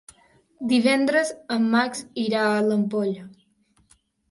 Divendres en Max irà a l'Ampolla.